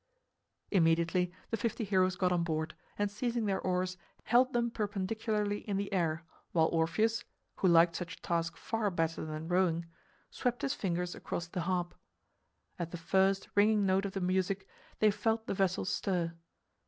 Immediately the fifty heroes got on board, and seizing their oars, held them perpendicularly in the air, while Orpheus (who liked such a task far better than rowing) swept his fingers across the harp. At the first ringing note of the music they felt the vessel stir.